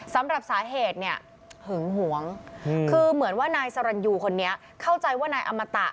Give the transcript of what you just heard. สำหรับสาเหตุเนี่ยหึงหวงคือเหมือนว่านายสรรยูคนนี้เข้าใจว่านายอมตะ